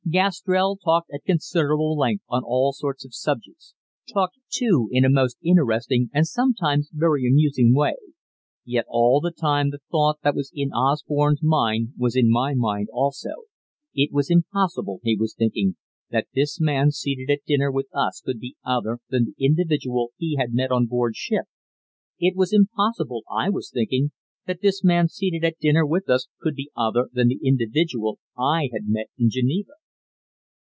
Gastrell talked at considerable length on all sorts of subjects, talked, too, in a most interesting and sometimes very amusing way; yet all the time the thought that was in Osborne's mind was in my mind also it was impossible, he was thinking, that this man seated at dinner with us could be other than the individual he had met on board ship; it was impossible, I was thinking, that this man seated at dinner with us could be other than the individual I had met in Geneva.